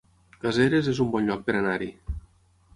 Caseres es un bon lloc per anar-hi